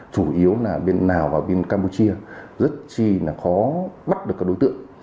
chủ yếu là bên lào và bên campuchia rất chi là khó bắt được các đối tượng